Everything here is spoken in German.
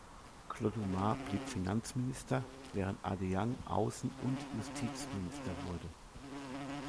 Clodumar blieb Finanzminister, während Adeang Außen- und Justizminister wurde.